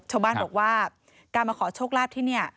ชาวบ้านบอกว่าการมาขอโชคลาภที่นี่